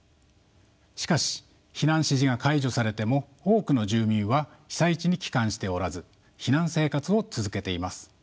しかし避難指示が解除されても多くの住民は被災地に帰還しておらず避難生活を続けています。